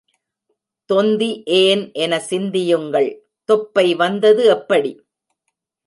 தொந்தி ஏன் என சிந்தியுங்கள் தொப்பை வந்தது எப்படி?